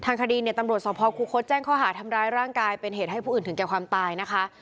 คดีเนี่ยตำรวจสภคุคศแจ้งข้อหาทำร้ายร่างกายเป็นเหตุให้ผู้อื่นถึงแก่ความตายนะคะ